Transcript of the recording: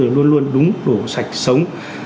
được luôn luôn đúng đủ sạch sống